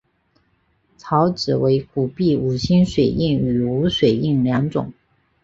钞纸为古币五星水印与无水印两种。